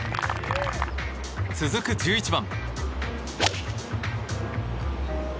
続く１１番。